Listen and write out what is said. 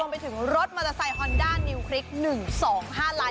ไปถึงรถมอเตอร์ไซค์ฮอนด้านิวคลิก๑๒๕ลาย